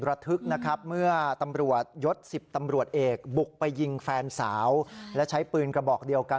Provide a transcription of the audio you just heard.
ทึกนะครับเมื่อตำรวจยศ๑๐ตำรวจเอกบุกไปยิงแฟนสาวและใช้ปืนกระบอกเดียวกัน